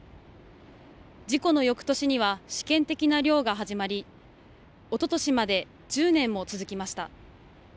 事故の翌年には試験的な漁が始まりおととしまで１０年も続きました。